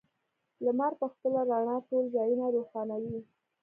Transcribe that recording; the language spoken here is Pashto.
لمر په خپله رڼا ټول ځایونه روښانوي.